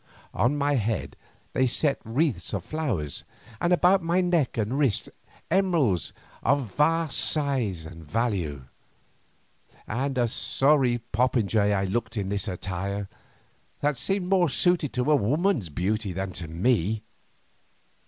On my head they set wreaths of flowers, and about my neck and wrists emeralds of vast size and value, and a sorry popinjay I looked in this attire, that seemed more suited to a woman's beauty than to me.